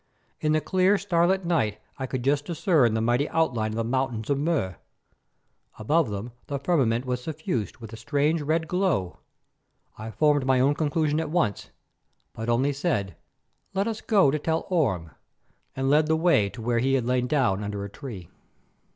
In the clear, starlight night I could just discern the mighty outline of the mountains of Mur. Above them the firmament was suffused with a strange red glow. I formed my own conclusion at once, but only said: "Let us go to tell Orme," and led the way to where he had lain down under a tree.